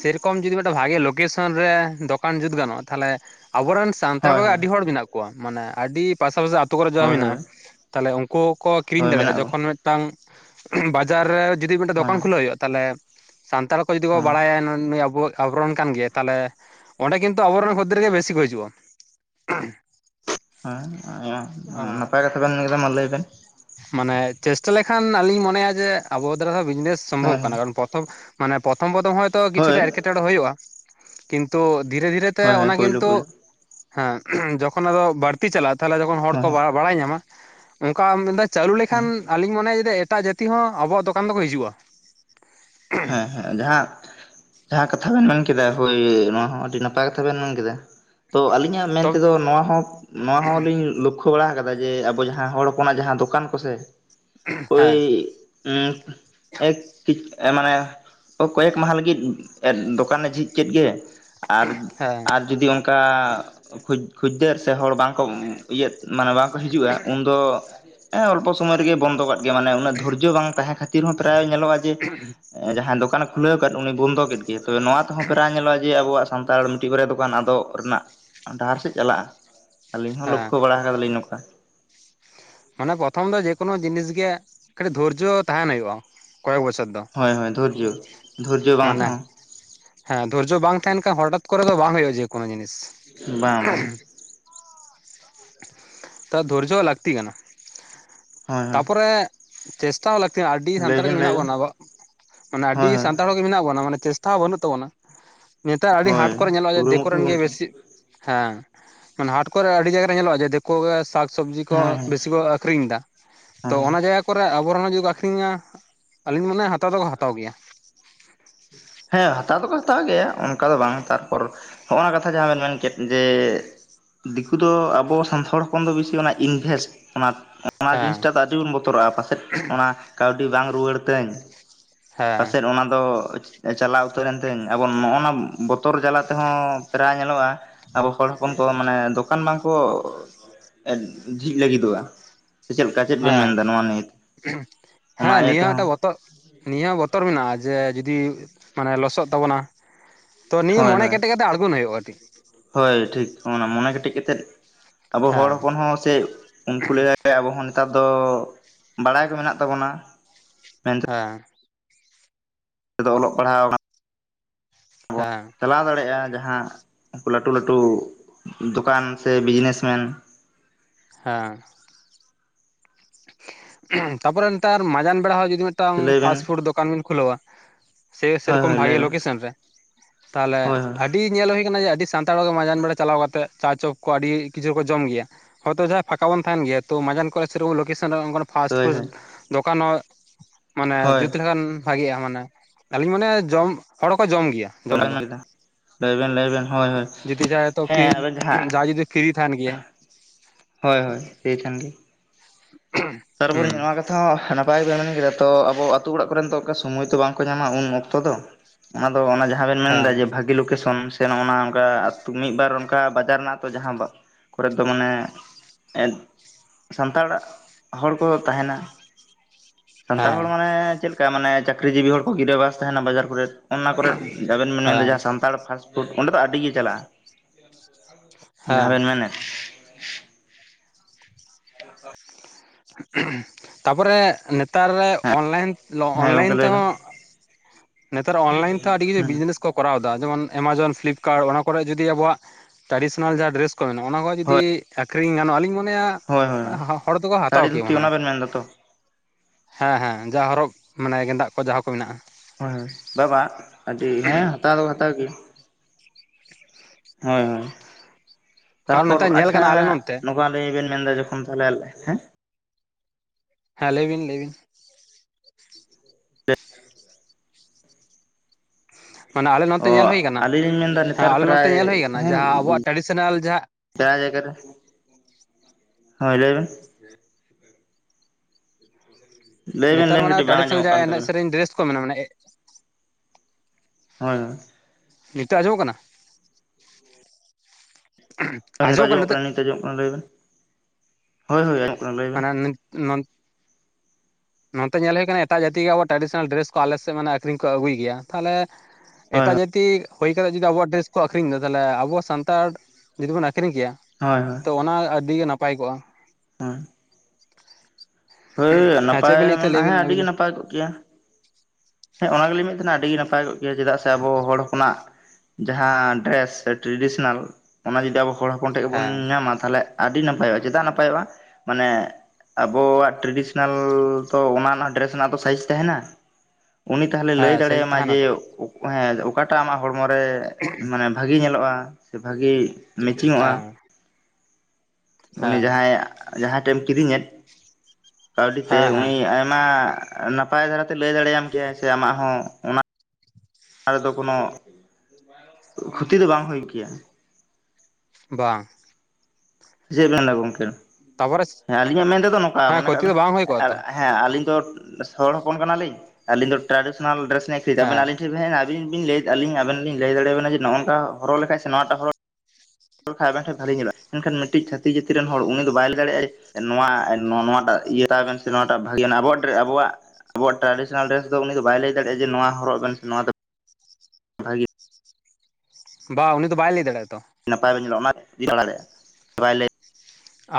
ᱥᱮᱨᱚᱠᱚᱢ ᱡᱩᱫᱤ ᱢᱤᱫᱴᱮᱱ ᱵᱷᱟᱜᱮ ᱞᱳᱠᱮᱥᱚᱱ ᱨᱮ ᱫᱚᱠᱟᱱ ᱡᱩᱛ ᱜᱟᱱᱚᱜᱼᱟ᱾ ᱛᱟᱦᱚᱞᱮ ᱟᱵᱚᱨᱮᱱ ᱥᱟᱱᱛᱟᱲ ᱦᱳᱭ ᱠᱚ ᱜᱮ ᱦᱳᱭ ᱟᱹᱰᱤ ᱦᱚᱲ ᱢᱮᱱᱟᱜ ᱠᱚᱣᱟ ᱢᱟᱱᱮ ᱟᱹᱰᱤ ᱯᱟᱥᱟᱯᱟᱥᱤ ᱟᱛᱳ ᱠᱚᱨᱮ ᱡᱟᱦᱟᱸ ᱦᱳᱭ ᱦᱳᱭ ᱢᱮᱱᱟᱜᱼᱟ ᱛᱟᱦᱚᱞᱮ ᱩᱱᱠᱩ ᱦᱚᱸᱠᱚ ᱠᱤᱨᱤᱧ ᱦᱳᱭ ᱫᱟᱲᱮᱭᱟᱜᱼᱟ᱾ ᱢᱮᱱᱟᱜ ᱠᱚ ᱡᱚᱠᱷᱚᱱ ᱢᱤᱫᱴᱟᱝ ᱵᱟᱡᱟᱨ ᱨᱮ ᱡᱩᱫᱤ ᱢᱤᱫᱴᱟᱝ ᱦᱳᱭ ᱫᱚᱠᱟᱱ ᱠᱷᱩᱞᱟᱹᱣ ᱦᱩᱭᱩᱜᱼᱟ᱾ ᱛᱟᱦᱚᱞᱮ ᱥᱟᱱᱛᱟᱲ ᱠᱚ ᱡᱩᱫᱤ ᱠᱚ ᱦᱳᱭ ᱵᱟᱲᱟᱭᱟ ᱱᱩᱭ ᱟᱵᱚ ᱟᱵᱚᱨᱮᱱ ᱠᱟᱱ ᱜᱮᱭᱟᱭ ᱛᱟᱦᱚᱞᱮ ᱚᱸᱰᱮ ᱠᱤᱱᱛᱩ ᱟᱵᱚᱨᱮᱱ ᱠᱷᱚᱫᱽᱫᱮᱨ ᱜᱮ ᱵᱮᱥᱤ ᱠᱚ ᱦᱤᱡᱩᱜᱼᱟ᱾ [unintelligible] ᱦᱮᱸ ᱱᱤᱭᱟᱹ ᱦᱚᱸ, ᱟᱨ ᱱᱟᱯᱟᱭ ᱠᱟᱛᱷᱟ ᱵᱮᱱ ᱞᱟᱹᱭ ᱠᱮᱫᱼᱟ ᱢᱟ ᱞᱟᱹᱭ ᱵᱮᱱ᱾ ᱢᱟᱱᱮ ᱪᱮᱥᱴᱟ ᱞᱮᱠᱷᱟᱱ ᱟᱹᱞᱤᱧ ᱢᱚᱱᱮᱭᱟ ᱡᱮ ᱟᱵᱚ ᱫᱟᱨᱟ ᱦᱚᱸ ᱵᱤᱡᱽᱱᱮᱥ ᱥᱚᱢᱵᱷᱚᱵ ᱦᱳᱭ ᱠᱟᱱᱟ᱾ ᱠᱟᱨᱚᱱ ᱯᱨᱚᱛᱷᱚᱢ ᱢᱟᱱᱮ ᱯᱨᱚᱛᱷᱚᱢ ᱯᱨᱚᱛᱷᱚᱢ ᱦᱚᱭᱛᱚ ᱦᱳᱭ ᱠᱤᱪᱷᱩᱴᱟ ᱮᱴᱠᱮᱴᱚᱬᱮ ᱦᱩᱭᱩᱜᱼᱟ᱾ ᱠᱤᱱᱛᱩ ᱫᱷᱤᱨᱮ ᱫᱷᱤᱨᱮ ᱛᱮ ᱦᱳᱭ ᱦᱳᱭ ᱚᱱᱟ ᱯᱳᱭᱞᱳ ᱠᱤᱱᱛᱩ ᱯᱳᱭᱞᱳ ᱦᱮᱸ ᱡᱚᱠᱷᱚᱱ ᱟᱫᱚ ᱵᱟᱹᱲᱛᱤ ᱪᱟᱞᱟᱜᱼᱟ, ᱛᱟᱦᱞᱮ ᱡᱚᱠᱷᱚᱱ ᱦᱚᱲ ᱠᱚ ᱦᱳᱭ ᱵᱟᱲᱟᱭ ᱧᱟᱢᱟ ᱚᱱᱠᱟ [unintelligible] ᱪᱟᱹᱞᱩ ᱞᱮᱠᱷᱟᱱ ᱦᱮᱸ ᱟᱞᱤᱧ ᱢᱚᱱᱮᱭᱟ ᱡᱮ ᱮᱴᱟᱜ ᱡᱟᱹᱛᱤ ᱦᱚᱸ ᱟᱵᱚᱣᱟᱜ ᱫᱚᱠᱟᱱ ᱫᱚᱠᱚ ᱦᱤᱡᱩᱜᱼᱟ᱾ ᱦᱮᱸ ᱦᱮᱸ, ᱡᱟᱦᱟᱸ ᱡᱟᱦᱟᱸ ᱠᱟᱛᱷᱟ ᱵᱮᱱ ᱢᱮᱱᱠᱮᱫᱟ ᱦᱳᱭ ᱱᱚᱶᱟ ᱦᱚᱸ ᱟᱹᱰᱤ ᱱᱟᱯᱟᱭ ᱠᱟᱛᱷᱟ ᱵᱮᱱ ᱢᱮᱱ ᱠᱮᱫᱟ᱾ ᱛᱚ ᱟᱹᱞᱤᱧ ᱟᱜ ᱢᱮᱱ ᱛᱚᱵᱮ ᱛᱮᱫᱚ ᱱᱚᱣᱟ ᱦᱚᱸ ᱱᱚᱣᱟ ᱦᱚᱸᱞᱤᱧ ᱞᱚᱠᱷᱚ ᱠᱚ ᱵᱟᱲᱟ ᱟᱠᱟᱫᱟ ᱡᱮ ᱟᱵᱚ ᱡᱟᱦᱟᱸ ᱦᱚᱲ ᱦᱚᱯᱚᱱᱟᱜ ᱡᱟᱦᱟᱸ ᱫᱚᱠᱟᱱ ᱠᱚᱥᱮ ᱦᱮᱸ ᱳᱭ ᱩᱸ ᱮᱠ ᱢᱟᱱᱮ ᱚ ᱠᱚᱭᱮᱠ ᱢᱟᱦᱟ ᱞᱟᱹᱜᱤᱫ ᱮᱫ ᱫᱚᱠᱟᱱᱮ ᱡᱷᱤᱡ ᱠᱮᱫ ᱜᱮ᱾ ᱟᱨ ᱦᱮᱸ ᱟᱨ ᱡᱩᱫᱤ ᱚᱱᱠᱟ ᱠᱷᱩᱡ-ᱠᱷᱩᱫᱽᱫᱟᱹᱨ ᱥᱮ ᱦᱚᱲ ᱵᱟᱝᱠᱚ ᱤᱭᱟᱫ ᱢᱟᱱᱮ ᱵᱟᱝᱠᱚ ᱦᱤᱡᱩᱜ-ᱟ ᱩᱱᱫᱚ ᱮᱸ ᱚᱞᱯᱚ ᱥᱚᱢᱚᱭ ᱨᱮᱜᱮ ᱵᱚᱱᱫᱚ ᱠᱟᱫ ᱜᱮ ᱢᱟᱱᱮ ᱩᱱᱟᱹᱜ ᱫᱷᱳᱨᱡᱚ ᱵᱟᱝ ᱛᱟᱦᱮᱸ ᱠᱷᱟᱹᱛᱤᱨ ᱦᱚᱸ ᱯᱨᱟᱭ ᱧᱮᱞᱚᱜ-ᱟ ᱡᱮ ᱡᱟᱦᱟᱸᱭ ᱫᱚᱠᱟᱱᱮ ᱠᱷᱩᱞᱟᱹᱣ ᱟᱠᱟᱫ ᱩᱱᱤ ᱵᱚᱱᱫᱚ ᱠᱮᱫ ᱜᱮ᱾ ᱛᱚᱵᱮ ᱱᱚᱣᱟ ᱛᱮᱦᱚᱸ ᱯᱮᱨᱟᱭ ᱧᱮᱞᱚᱜ-ᱟ ᱡᱮ ᱟᱵᱚᱣᱟᱜ ᱥᱟᱱᱛᱟᱲ ᱢᱤᱫᱴᱤᱡ ᱵᱟᱨᱭᱟ ᱫᱚᱠᱟᱱ ᱟᱫᱚᱜ ᱨᱮᱱᱟᱜ ᱰᱟᱦᱟᱨ ᱥᱮᱫ ᱪᱟᱞᱟᱜ-ᱟ᱾ ᱟᱹᱞᱤᱧ ᱦᱚᱸ ᱦᱮᱸ ᱞᱚᱠᱷᱚ ᱵᱟᱲᱟ ᱟᱠᱟᱫᱟᱞᱤᱧ ᱱᱚᱝᱠᱟᱺ ᱢᱟᱱᱮ ᱯᱨᱚᱛᱷᱚᱢ ᱫᱚ ᱡᱮᱠᱳᱱᱳ ᱡᱤᱱᱤᱥ ᱜᱮ ᱠᱟᱹᱴᱤᱡ ᱫᱷᱳᱨᱡᱚ ᱛᱟᱦᱮᱱ ᱦᱩᱭᱩᱜᱼᱟ ᱠᱚᱭᱮᱠ ᱵᱚᱪᱷᱚᱨ ᱫᱚ᱾ ᱦᱳᱭ ᱦᱳᱭ ᱫᱷᱳᱨᱡᱚ ᱫᱷᱳᱨᱡᱚ ᱵᱟᱝ ᱢᱟᱱᱮ ᱛᱮᱦᱚ ᱦᱮᱸ ᱫᱷᱳᱨᱡᱚ ᱵᱟᱝ ᱛᱟᱦᱮᱱ ᱠᱷᱟᱱ ᱦᱚᱴᱟᱛ ᱠᱚᱨᱮ ᱫᱚ ᱵᱟᱝ ᱦᱩᱭᱩᱜ-ᱟ ᱡᱮᱠᱳᱱᱳ ᱡᱤᱱᱤᱥ᱾ ᱵᱟᱝ ᱵᱟᱝ ᱛᱚ ᱫᱷᱳᱨᱡᱚ ᱦᱚ ᱞᱟᱹᱠᱛᱤ ᱠᱟᱱᱟ ᱦᱳᱭ ᱦᱳᱭ ᱛᱟᱯᱚᱨᱮ ᱪᱮᱥᱴᱟ ᱦᱚᱸ ᱞᱟᱹᱠᱛᱤ ᱠᱟᱱᱟ᱾ ᱟᱹᱰᱤ ᱞᱟᱹᱭ ᱥᱟᱱᱛᱟᱲ ᱜᱮ ᱵᱮᱱ ᱞᱟᱹᱭ ᱢᱮᱱᱟᱜ ᱵᱮᱱ ᱵᱚᱱᱟ ᱟᱵᱚᱣᱟᱜ ᱢᱟᱱᱮ ᱟᱹᱰᱤ ᱦᱳᱭ ᱦᱳᱭ ᱥᱟᱱᱛᱟᱲ ᱦᱚᱲ ᱛᱤ ᱢᱮᱱᱟᱜ ᱵᱚᱱᱟ ᱢᱟᱱᱮ ᱪᱮᱥᱴᱟ ᱦᱚᱸ ᱵᱟᱹᱱᱩᱜ ᱛᱟᱵᱚᱱᱟ᱾ ᱱᱮᱛᱟᱨ ᱟᱹᱰᱤ ᱦᱳᱭ ᱦᱟᱴ ᱠᱚᱨᱮ ᱧᱮᱞᱚᱜᱼᱟ ᱡᱮ ᱠᱩᱨᱩᱢᱩᱴᱩ ᱫᱤᱠᱩᱨᱮᱱ ᱜᱮ ᱵᱚᱱ ᱵᱮᱥᱤ ᱦᱮᱸ ᱢᱟᱱᱮ ᱦᱟᱴ ᱠᱚᱨᱮ ᱟᱹᱰᱤ ᱡᱟᱭᱜᱟ ᱨᱮ ᱧᱮᱞᱚᱜ-ᱟ ᱡᱮ ᱫᱤᱠᱩ ᱜᱮ ᱥᱟᱛ ᱥᱚᱵᱽᱡᱤ ᱠᱚ ᱦᱮᱸ ᱦᱮᱸ ᱵᱮᱥᱤ ᱠᱚ ᱟᱠᱷᱨᱤᱧᱫᱟ ᱛᱚ ᱚᱱᱟ ᱡᱟᱭᱜᱟ ᱠᱚᱨᱮ ᱟᱵᱚᱨᱱ ᱦᱚᱸ ᱡᱩᱫᱤ ᱠᱚ ᱟᱠᱷᱨᱤᱧᱟ ᱟᱹᱞᱤᱧ ᱫᱚ ᱢᱟᱱᱮ ᱦᱟᱛᱟᱣ ᱫᱚᱠᱚ ᱦᱟᱛᱟᱣ ᱜᱮᱭᱟ᱾ ᱦᱮᱸ ᱦᱟᱛᱟᱣ ᱫᱚᱠᱚ ᱦᱟᱛᱟᱣ ᱜᱮᱭᱟ ᱚᱱᱠᱟ ᱫᱚ ᱵᱟᱝ ᱛᱟᱨᱯᱚᱨ ᱦᱚᱜᱼᱚᱱᱟ ᱠᱟᱛᱷᱟ ᱡᱟᱦᱟᱸ ᱵᱮᱱ ᱢᱮᱱ ᱠᱮᱫ ᱡᱮ ᱫᱤᱠᱩ ᱫᱚ ᱟᱵᱚ ᱥᱟᱱᱛᱟᱲ ᱦᱚᱯᱚᱱ ᱫᱚ ᱵᱤᱥᱤ ᱚᱱᱟ ᱤᱱᱵᱷᱮᱥᱴ ᱚᱱᱟ ᱚᱱᱟ ᱦᱮᱸ ᱡᱤᱱᱤᱥᱴᱟ ᱫᱚ ᱟᱹᱰᱤ ᱵᱤᱱ ᱵᱚᱛᱚᱨᱚᱜ-ᱟ ᱯᱟᱥᱮᱫ ᱚᱱᱟ ᱠᱟᱹᱣᱰᱤ ᱵᱟᱝ ᱨᱩᱣᱟᱹᱲ ᱛᱟᱹᱧ᱾ ᱦᱮᱸ ᱯᱟᱥᱮᱫ ᱚᱱᱟ ᱫᱚ ᱮ ᱪᱟᱞᱟᱣ ᱩᱛᱟᱹᱨᱮᱱ ᱛᱤᱧ ᱟᱵᱚᱝ ᱱᱚᱜᱼᱱᱟ ᱵᱚᱛᱚᱨ ᱡᱟᱞᱟ ᱛᱮᱦᱚᱸ ᱯᱮᱨᱟ ᱧᱮᱞᱚᱜᱼᱟ ᱟᱵᱚ ᱦᱚᱲ ᱦᱚᱯᱚᱱ ᱠᱚ ᱢᱟᱱᱮ ᱫᱚᱠᱟᱱ ᱵᱟᱝᱠᱚ ᱡᱷᱤᱡ ᱞᱟᱹᱜᱤᱫᱚᱜᱼᱟ᱾ ᱥᱮ ᱪᱮᱫ ᱞᱮᱠᱟ ᱪᱮᱫ ᱵᱮᱱ ᱦᱮᱸ ᱢᱮᱱ ᱮᱫᱟ ᱱᱚᱣᱟ ᱱᱤᱭᱟᱹᱛᱮ, ᱚᱱᱟ ᱦᱮᱸ ᱤᱭᱟᱹ ᱱᱤᱭᱟᱹ ᱛᱮᱦᱚᱸ? ᱢᱤᱫᱴᱟᱝ ᱱᱤᱭᱟᱹ ᱦᱚ ᱵᱚᱛᱚᱨ ᱢᱮᱱᱟᱜᱼᱟ ᱡᱮ ᱡᱩᱫᱤ ᱢᱟᱱᱮ ᱞᱚᱥᱚᱜ ᱛᱟᱵᱚᱱᱟ᱾ ᱛᱚ ᱱᱤᱭᱟᱹ ᱦᱳᱭ ᱢᱚᱱᱮ ᱦᱳᱭ ᱠᱮᱴᱮᱡ ᱠᱟᱛᱮ ᱟᱬᱜᱚᱱ ᱦᱩᱭᱩᱜᱼᱟ᱾ ᱦᱳᱭ ᱴᱷᱤᱠ ᱚᱱᱟ ᱢᱚᱱᱮ ᱠᱟᱹᱴᱤᱡ ᱠᱟᱛᱮᱫ ᱟᱵᱚ ᱦᱚᱲ ᱦᱮᱸ ᱦᱚᱯᱚᱱ ᱦᱚᱸ ᱥᱮ ᱩᱱᱠᱩ ᱞᱮᱠᱟ ᱜᱮ ᱟᱵᱚ ᱦᱚᱸ ᱱᱮᱛᱟᱨ ᱫᱚ ᱵᱟᱲᱟᱭ ᱠᱚ ᱢᱮᱱᱟᱜ ᱛᱟᱵᱚᱱᱟ᱾ ᱦᱮᱸ᱾ ᱛᱮᱫᱚ ᱚᱞᱚᱜ ᱯᱟᱲᱦᱟᱣ ᱵᱚᱱ ᱦᱮᱸ ᱪᱟᱞᱟᱣ ᱫᱟᱲᱮᱭᱟᱜᱼᱟ ᱡᱟᱦᱟᱸ ᱩᱱᱠᱩ ᱞᱟᱹᱴᱩ ᱞᱟᱹᱴᱩ ᱫᱚᱠᱟᱱ ᱥᱮ ᱵᱤᱡᱽᱱᱮᱥ ᱢᱮᱱ᱾ ᱦᱮᱸ᱾ ᱛᱟᱨᱯᱚᱨᱮ ᱱᱮᱛᱟᱨ ᱢᱟᱡᱟᱱ ᱵᱮᱲᱟ ᱦᱚᱸ ᱡᱚᱫᱤ ᱢᱤᱫᱴᱟᱱ ᱞᱟᱹᱭ ᱵᱮᱱ ᱯᱷᱟᱥᱴ ᱯᱷᱩᱰ ᱫᱚᱠᱟᱱ ᱵᱤᱱ ᱠᱷᱩᱞᱟᱹᱣᱟ᱾ ᱥᱮ ᱦᱳᱭ ᱥᱮᱨᱚᱠᱚᱢ ᱦᱳᱭ ᱵᱷᱟᱜᱮ ᱞᱟᱹᱭ ᱵᱮᱱ ᱞᱳᱠᱮᱥᱚᱱ ᱨᱮ᱾ ᱛᱟᱦᱚᱞᱮ ᱦᱳᱭ ᱦᱳᱭ ᱟᱹᱰᱤ ᱧᱮᱞ ᱦᱩᱭ ᱟᱠᱟᱱᱟ ᱡᱮ ᱟᱹᱰᱤ ᱥᱟᱱᱛᱟᱲ ᱦᱚᱲ ᱜᱮ ᱢᱟᱡᱟᱱ ᱵᱮᱲᱟ ᱪᱟᱞᱟᱣ ᱠᱟᱛᱮᱫ ᱪᱟ ᱪᱚᱯ ᱠᱚ ᱟᱹᱰᱤ ᱠᱤᱪᱷᱩ ᱠᱚ ᱡᱚᱢ ᱜᱮᱭᱟ᱾ ᱦᱚᱭᱛᱳ ᱡᱟᱦᱟᱸᱭ ᱯᱷᱟᱸᱠᱟ ᱵᱚᱱ ᱛᱟᱦᱮᱱ ᱜᱮᱭᱟ ᱛᱚ ᱢᱟᱡᱟᱱ ᱠᱚᱨᱮ ᱥᱮᱨᱚᱠ ᱞᱳᱠᱮᱥᱚᱱ ᱨᱮ ᱚᱱᱠᱟᱱ ᱯᱷᱟᱥᱴ ᱦᱳᱭ ᱯᱷᱩᱥᱴ ᱫᱚᱠᱟᱱ ᱦᱚᱸ ᱢᱟᱱᱮ ᱦᱳᱭ ᱡᱩᱛ ᱞᱮᱠᱷᱟᱱ ᱵᱷᱟᱜᱤᱜᱼᱟ ᱢᱟᱱᱮ᱾ ᱟᱞᱤᱧ ᱢᱟᱱᱮ ᱡᱚᱢ ᱦᱚᱲ ᱦᱚᱸᱠᱚ ᱡᱚᱢ ᱜᱮᱭᱟ᱾ ᱡᱚᱢ ᱫᱚ [unintelligible] ᱞᱟᱹᱭ ᱵᱮᱱ, ᱞᱟᱹᱭ ᱵᱮᱱ, ᱦᱳᱭ ᱦᱳᱭ᱾ ᱡᱩᱫᱤ ᱡᱟᱦᱟᱸᱭ ᱛᱚ ᱦᱮᱸ ᱯᱷᱤᱨ ᱟᱫᱚ ᱡᱟᱦᱟᱸ ᱡᱟᱦᱟᱸᱭ ᱡᱩᱫᱤ ᱯᱷᱤᱨᱤ ᱛᱟᱦᱮᱱ ᱜᱮᱭᱟ ᱦᱳᱭ ᱦᱳᱭ ᱥᱮᱭ ᱜᱮ᱾ ᱛᱟᱨᱯᱚᱨᱮ ᱦᱩᱸ ᱱᱚᱣᱟ ᱠᱟᱛᱮ ᱟᱦ ᱱᱟᱯᱟᱭ ᱜᱮ ᱯᱮ ᱢᱤᱱᱟᱹᱧ ᱠᱮᱫᱟ ᱛᱚ ᱟᱵᱚ ᱟᱛᱩ ᱚᱲᱟᱜ ᱠᱚᱨᱮᱱ ᱫᱚ ᱚᱱᱠᱟ ᱥᱚᱢᱚᱭ ᱛᱚ ᱵᱟᱝᱠᱚ ᱧᱟᱢᱟ ᱩᱱ ᱚᱠᱛᱚ ᱫᱚ᱾ ᱟᱫᱚ ᱚᱱᱟ ᱡᱟᱦᱟᱸ ᱵᱮᱱ ᱢᱮᱱ ᱮᱫᱟ ᱦᱮᱸ ᱡᱮ ᱵᱷᱟᱹᱜᱤ ᱞᱳᱠᱮᱥᱚᱱ᱾ ᱥᱮ ᱱᱚᱜᱼᱱᱟ ᱚᱱᱠᱟ ᱟᱹᱛᱩ ᱢᱤᱫ ᱵᱟᱨ ᱚᱱᱠᱟ ᱵᱟᱡᱟᱨ ᱢᱮᱱᱟᱜ ᱟᱛ ᱡᱟᱦᱟᱸ ᱠᱚᱨᱮ ᱫᱚ ᱢᱟᱱᱮ ᱮᱫ ᱥᱟᱱᱛᱟᱲ ᱦᱚᱲ ᱠᱚ ᱛᱟᱦᱮᱱ-ᱟ ᱾ ᱥᱟᱱᱛᱟᱲ ᱦᱮᱸ ᱦᱚᱲ ᱢᱟᱱᱮ ᱪᱮᱫ ᱞᱮᱠᱟ ᱢᱟᱱᱮ ᱪᱟᱹᱠᱨᱤ ᱡᱤᱵᱤ ᱦᱚᱲ ᱠᱚ ᱜᱤᱨᱟᱹ ᱵᱟᱥ ᱛᱟᱦᱮᱱᱟ ᱵᱟᱡᱟᱨ ᱠᱚᱨᱮ ᱾ ᱚᱱᱟ ᱠᱚᱨᱮ ᱟᱵᱮᱱ ᱵᱮᱱ ᱢᱮᱱᱫᱟ ᱦᱮᱸ ᱡᱟᱦᱟᱸ ᱥᱟᱱᱛᱟᱲ ᱯᱷᱟᱥ ᱴᱯᱷᱩᱰ ᱚᱸᱰᱮ ᱫᱚ ᱟᱹᱰᱤ ᱜᱮ ᱪᱟᱞᱟᱜ-ᱟ ᱾ ᱦᱮᱸ ᱾ [unintelligible] ᱛᱟᱯᱚᱨᱮ ᱱᱮᱛᱟᱨ ᱨᱮ ᱦᱮᱸ ᱚᱱᱞᱟᱭᱤᱱ ᱦᱮᱸ ᱚᱱᱞᱟᱭᱤᱱ ᱜᱚᱝᱠᱮ ᱞᱟᱹᱭ ᱵᱮᱱ ᱛᱮᱦᱚᱸ ᱮᱛᱟᱨ ᱚᱱᱞᱟᱭᱤᱱ ᱛᱮᱦᱚᱸ ᱦᱮᱸ ᱵᱤᱡᱱᱮᱥ ᱠᱚ ᱠᱚᱨᱟᱣ ᱫᱟ ᱡᱮᱢᱚᱱ ᱮᱢᱟᱡᱚᱱ, ᱯᱷᱤᱞᱤᱯᱠᱟᱨ, ᱚᱱᱟ ᱠᱚᱨᱮ ᱡᱩᱫᱤ ᱟᱵᱚᱣᱟᱜ ᱴᱟᱰᱤᱥᱚᱱᱟᱞ ᱡᱟᱦᱟᱸ ᱰᱨᱮᱥ ᱠᱚ ᱢᱮᱱᱟᱜ-ᱟ ᱚᱱᱟ ᱠᱚ ᱡᱩᱫᱤ ᱦᱳᱭ ᱟᱹᱷᱨᱤᱧ ᱜᱟᱱᱚᱜ-ᱟ, ᱟᱹᱞᱤᱧ ᱢᱚᱱᱮᱭᱟ ᱦᱳᱭ ᱦᱳᱭ ᱦᱚᱲ ᱫᱚᱠᱚ ᱛᱟᱣ ᱥᱟᱹᱲᱤ ᱠᱮᱭᱟ ᱫᱷᱩᱛᱤ ᱢᱚᱱᱮ ᱚᱱᱟ ᱦᱚᱸᱭ ᱵᱮᱱ ᱢᱮᱱ ᱫᱟᱛᱚ ᱦᱮᱸ ᱦᱮᱸ ᱡᱟ ᱦᱚᱨᱚᱜ ᱢᱟᱱᱮ ᱜᱮᱫᱟᱜ ᱠᱚ ᱡᱟᱦᱟᱸ ᱠᱚ ᱢᱮᱱᱟᱜ-ᱟ ᱾ ᱦᱳᱭ ᱦᱳᱭ ᱵᱟᱵᱟ ᱟᱹᱰᱤ ᱦᱮᱸ ᱦᱟᱛᱟᱣ ᱫᱚ ᱦᱟᱛᱟᱣ ᱠᱮᱭᱟ᱾ ᱦᱳᱭ ᱦᱳᱭ ᱠᱟᱨᱚᱱ ᱛᱟᱨᱯᱚᱨ ᱱᱮᱛᱟᱨ ᱧᱮᱞ ᱟᱪᱪᱷᱟ ᱠᱟᱱᱟ ᱟᱞᱮ ᱱᱚᱱᱛᱮ [unintelligible] ᱵᱮᱱ ᱢᱮᱱ ᱫᱟ ᱡᱚᱠᱷᱚᱱ ᱛᱟᱦᱟᱞᱮ ᱦᱮᱸ ᱞᱟᱹᱭ ᱵᱤᱱ ᱞᱟᱹᱭ ᱵᱤᱱ ᱾ [inaudible] ᱢᱟᱱᱮ ᱟᱞᱮ ᱱᱚᱛᱮ ᱚ ᱧᱮᱞ ᱦᱳᱭ ᱠᱟᱱᱟ ᱟᱹᱞᱤᱧ ᱞᱤᱧ ᱢᱮᱱᱫᱟ ᱦᱮᱸ ᱱᱮᱛᱟᱨ ᱟᱞᱮ ᱱᱚᱛᱮ ᱯᱨᱟᱭ ᱧᱮᱞ ᱦᱳᱭ ᱠᱟᱱᱟ ᱡᱟᱦᱟᱸ ᱟᱵᱚᱣᱟᱜ ᱴᱮᱰᱤᱥᱮᱱᱟᱞ ᱡᱟᱦᱟᱸ ᱡᱟᱦᱟᱸ ᱡᱟᱭᱜᱟ ᱨᱮ, ᱦᱳᱭ ᱞᱟᱹᱭᱵᱮ᱾ ᱞᱟᱹᱭ ᱵᱮᱱ ᱱᱮᱛᱟᱨ ᱞᱟᱹᱭ ᱵᱮᱱ ᱢᱟᱱᱮ ᱠᱟᱹᱴᱤᱡ ᱵᱟᱝ ᱴᱨᱟᱰᱤᱥᱚᱱᱟᱞ ᱟᱸᱡᱚᱢᱚᱜ ᱠᱟᱱ ᱡᱟᱦᱟᱸ ᱮᱱᱮᱡ ᱛᱟᱵᱮᱱᱟ ᱥᱮᱨᱮᱧ ᱰᱨᱮᱥ ᱠᱚ ᱢᱮᱱᱟᱜ-ᱟ ᱱᱟ ᱢᱟᱱᱮ ᱦᱳᱭ ᱱᱤᱛᱳᱜ ᱟᱸᱡᱚᱢᱚᱜ ᱠᱟᱱᱟ? [inaudible] [unintelligible] ᱠᱟᱱᱟ ᱱᱤᱛ ᱟᱸᱡᱚᱢᱚᱜ ᱠᱟᱱᱟ ᱞᱟᱹᱭ ᱵᱮᱱ ᱦᱳᱭ ᱦᱳᱭ ᱟᱡ ᱢᱟᱱᱮ [unintelligible] ᱱᱚᱛᱮ ᱧᱮᱞ ᱦᱳᱭ ᱠᱟᱱᱟ ᱮᱴᱟᱜ ᱡᱟᱹᱛᱤ ᱜᱮ ᱟᱵᱚ ᱴᱟᱰᱤᱥᱚᱱᱟᱞ ᱰᱨᱮᱥ ᱠᱚ ᱟᱞᱮ ᱥᱮᱫ ᱢᱟᱱᱮ ᱟᱠᱨᱤᱧ ᱠᱚ ᱟᱹᱜᱩᱭ ᱜᱮᱭᱟ ᱾ ᱛᱟᱦᱟᱞᱮ ᱦᱳᱭ ᱮᱴᱟᱜ ᱦᱳᱭ ᱡᱟᱹᱛᱤ ᱦᱳᱭ ᱠᱟᱛᱮ ᱡᱩᱫᱤ ᱟᱵᱚᱣᱟᱜ ᱰᱨᱮᱥ ᱠᱚ ᱟᱠᱷᱨᱤᱧ ᱫᱟ ᱛᱟᱦᱟᱞᱮ ᱟᱵᱚ ᱥᱟᱱᱛᱟᱲ ᱡᱩᱫᱤ ᱵᱚᱱ ᱟᱠᱷᱨᱤᱧ ᱠᱮᱭᱟ ᱦᱳᱭ ᱛᱚ ᱚᱱᱟ ᱟᱹᱰᱤ ᱜᱮ ᱱᱟᱯᱟᱭ ᱠᱚᱜᱟ ᱾ ᱦᱮᱸ [inaudible] ᱦᱳᱭ ᱦᱮᱸ ᱪᱮᱫ ᱱᱟᱯᱟᱭ ᱵᱤᱱ ᱞᱟᱹᱭᱮᱫ ᱛᱟᱦᱮᱸ ᱞᱟᱹᱭ [unintelligible] ᱵᱤᱱ ᱦᱮᱸ ᱟᱹᱰᱤ ᱟᱹᱵᱤᱱ ᱜᱮ ᱱᱟᱯᱟᱭ ᱠᱚᱜ ᱠᱮᱭᱟ ᱾ ᱦᱮᱸ ᱚᱱᱟ ᱜᱮᱞᱤᱧ ᱢᱮᱱᱮᱫ ᱛᱟᱦᱮᱱᱟ ᱟᱹᱰᱤ ᱜᱮ ᱱᱟᱯᱟᱭ ᱠᱚᱜ ᱜᱮᱭᱟ ᱪᱮᱫᱟᱜ ᱥᱮ ᱟᱵᱚ ᱦᱚᱲ ᱦᱚᱯᱚᱱᱟᱜ ᱡᱟᱦᱟᱸ ᱰᱨᱮᱥ ᱥᱮ ᱴᱨᱮᱰᱤᱥᱮᱱᱟᱞ ᱚᱱᱟ ᱡᱩᱚᱫᱤ ᱟᱵᱚ ᱦᱚᱲ ᱦᱚᱯᱚᱱ ᱴᱷᱮᱱ ᱜᱮᱵᱚᱱ ᱦᱮᱸ ᱧᱟᱢᱟ ᱛᱟᱞᱦᱮ ᱟᱹᱰᱤ ᱱᱟᱯᱟᱭᱚᱜ-ᱟ ‌ᱪᱮᱫᱟᱜ ᱱᱟᱯᱟᱭᱚᱜ-ᱟ ᱢᱟᱱᱮ ᱟᱵᱚᱣᱟᱜ ᱴᱨᱮᱰᱤᱥᱮᱱᱟᱞ ᱛᱚ ᱚᱱᱟ ᱨᱮᱱᱟᱜ ᱰᱨᱮᱥ ᱨᱮᱱᱟᱜ ᱫᱚ ᱥᱟᱭᱤᱡᱽ ᱛᱟᱦᱮᱱ-ᱟ᱾ ᱩᱱᱤ ᱛᱟᱦᱟᱞᱮ ᱦᱮᱸ ᱞᱟᱹᱭ ᱥᱮ ᱫᱟᱲᱮᱭᱟᱢᱟᱭ ᱡᱮ ᱛᱟᱦᱮᱱᱟ ᱛᱚ ᱦᱮᱸ ᱚᱠᱟᱴᱟᱜ ᱟᱢᱟᱜ ᱦᱚᱲᱢᱚ ᱨᱮ ᱢᱟᱱᱮ ᱵᱷᱟᱜᱮ ᱧᱮᱞᱚᱜ-ᱟ ᱥᱮ ᱵᱷᱟᱜᱮ ᱢᱮᱪᱤᱝᱚᱜ-ᱟ ᱾ ᱦᱮᱸ ᱩᱱᱤ ᱦᱮᱸ ᱡᱟᱦᱟᱸᱭᱟᱜ ᱡᱟᱦᱟᱸᱭ ᱴᱮᱜᱮᱢ ᱠᱤᱨᱤᱧᱮᱫ ᱠᱟᱹᱣᱰᱤ ᱛᱮ ᱦᱮᱸ ᱦᱮᱸ ᱩᱱᱤ ᱟᱭᱢᱟ ᱱᱟᱯᱟᱭ ᱫᱷᱟᱨᱟᱛᱮᱭ ᱞᱟᱹᱭ ᱫᱟᱲᱮᱭᱟᱢ ᱠᱮᱭᱟᱭ ᱥᱮ ᱟᱢᱟᱜ ᱦᱚᱸ ᱚᱱᱟ ᱱᱟ ᱨᱮᱫᱚ ᱠᱚᱱᱚ ᱠᱷᱩᱛᱤ ᱫᱚ ᱵᱟᱝ ᱦᱳᱭ ᱠᱮᱭᱟ᱾ ᱵᱟᱝ ᱪᱮᱫ ᱢᱮᱱ ᱫᱟ ᱜᱚᱝᱠᱮ ᱛᱟᱯᱚᱨᱮ ᱦᱮᱸ ᱟᱹᱞᱤᱧᱟᱜ ᱢᱮᱱ ᱛᱮᱫᱚ ᱱᱚᱝᱠᱟ ᱦᱮᱸ ᱢᱚᱱᱮ ᱠᱟᱜ ᱠᱷᱚᱛᱤ ᱵᱮᱱ ᱫᱚ ᱵᱟᱝ ᱦᱩᱭ ᱠᱚᱜᱼᱟ ᱟᱨ ᱛᱚ ᱦᱮᱸ ᱟᱹᱞᱤᱧ ᱫᱚ ᱦᱚᱲ ᱦᱚᱯᱚᱱ ᱠᱟᱱᱟᱞᱤᱧ ᱟᱹᱞᱤᱧ ᱫᱚ ᱴᱨᱟᱰᱤᱥᱚᱱᱟᱞ ᱰᱨᱮᱥ ᱞᱤᱧ ᱟᱹᱠᱷᱨᱤᱧᱫᱟ ᱟᱵᱮᱱ ᱦᱮᱸ ᱟᱹᱞᱤᱧ ᱴᱷᱮᱱ ᱵᱮᱱ ᱦᱮᱡᱱᱟ ᱟᱹᱵᱤᱱ ᱵᱤᱱ ᱞᱟᱹᱭᱮᱫ ᱟᱹᱞᱤᱧ ᱟᱵᱮᱱᱞᱤᱧ ᱞᱟᱹᱭ ᱫᱟᱲᱮᱭᱟᱵᱮᱱ-ᱟ ᱡᱮ ᱱᱚᱜᱚᱱᱠᱟ ᱦᱚᱨᱚᱜ ᱞᱮᱠᱷᱟᱱ ᱥᱮ ᱱᱚᱣᱟᱴᱟᱜ ᱦᱚᱨᱚᱜ ᱞᱮᱠᱷᱟᱡ ᱟᱵᱮᱱ ᱴᱷᱮᱱ ᱵᱷᱟᱞᱤ ᱧᱮᱞᱚᱜ-ᱟ ᱢᱮᱱᱠᱷᱟᱱ ᱢᱤᱫᱴᱤᱡ ᱪᱷᱟᱹᱛᱤᱠ ᱡᱟᱹᱛᱤ ᱨᱮᱱ ᱦᱚᱲ ᱩᱱᱤ ᱫᱚ ᱵᱟᱭ ᱞᱟᱹᱭ ᱫᱟᱲᱮᱜᱟᱭ ᱱᱚᱣᱟ ᱱᱚᱣᱟ ᱱᱚᱣᱟᱴᱟᱜ ᱤᱭᱟᱹ [unintelligible] ᱵᱮᱱ ᱥᱮ ᱱᱚᱣᱟᱴᱟᱜ ᱵᱷᱟᱜᱮ ᱟᱵᱚᱣᱟᱜ ᱰᱨᱮ ᱟᱵᱚᱣᱟᱜ ᱟᱵᱚᱣᱟᱜ ᱴᱨᱟᱰᱤᱥᱚᱞ ᱰᱨᱮᱥ ᱫᱚ ᱩᱱᱤ ᱫᱚ ᱵᱟᱭ ᱞᱟᱹᱭ ᱫᱟᱲᱮ-ᱟ, ᱡᱮ ᱱᱚᱣᱟ ᱦᱚᱨᱚᱜᱵᱮᱱ ᱥᱮ ᱱᱚᱣᱟ ᱫᱚ ᱵᱷᱟᱜᱤ ᱵᱟ ᱩᱱᱤ ᱫᱚ ᱵᱟᱭ ᱞᱟᱹᱭ ᱫᱟᱲᱮᱭᱟᱜ-ᱟ ᱛᱚ᱾ ᱱᱟᱯᱟᱭ ᱵ ᱧᱮᱞᱚᱜ-ᱟ ᱚᱱᱟ [inaudible] ᱫᱟᱲᱮᱭᱟᱜ-ᱟ ᱵᱟᱭ ᱞᱟᱹᱭ